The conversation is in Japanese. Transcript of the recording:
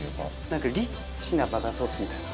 なんかリッチなバターソースみたいな。